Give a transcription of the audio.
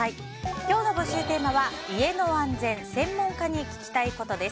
今日の募集テーマは、家の安全専門家に聞きたいことです。